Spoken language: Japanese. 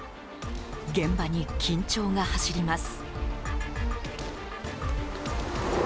現場に緊張が走ります。